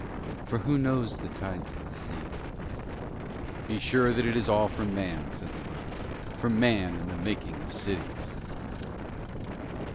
For who knows the tides of the sea?' 'Be sure that it is all for Man,' said the road. 'For Man and the making of cities.'